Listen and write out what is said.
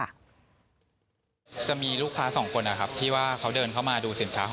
จะมีลูกค้าสองคนนะครับที่ว่าเขาเดินเข้ามาดูสินค้า